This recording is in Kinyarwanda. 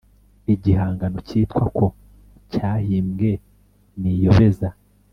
igihangano cyitwa ko cyahimbwe n iyobeza